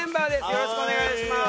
よろしくお願いします。